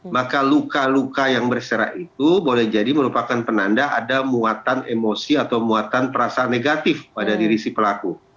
maka luka luka yang berserah itu boleh jadi merupakan penanda ada muatan emosi atau muatan perasaan negatif pada diri si pelaku